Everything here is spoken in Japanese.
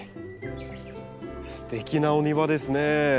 すてきなお庭ですね。